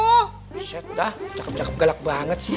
uset dah cakep cakep gelap banget sih